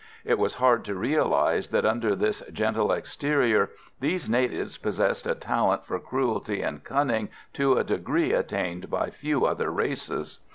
It was hard to realise that under this gentle exterior these natives possessed a talent for cruelty and cunning to a degree attained by few other races.